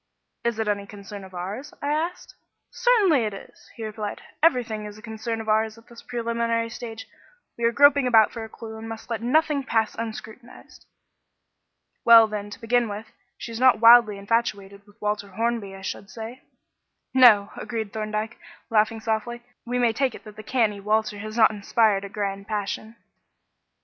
"Is it any concern of ours?" I asked. "Certainly it is," he replied. "Everything is a concern of ours at this preliminary stage. We are groping about for a clue and must let nothing pass unscrutinised." "Well, then, to begin with, she is not wildly infatuated with Walter Hornby, I should say." "No," agreed Thorndyke, laughing softly; "we may take it that the canny Walter has not inspired a grand passion."